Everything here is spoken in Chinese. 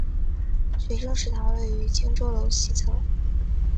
学生食堂位于荆州楼西侧。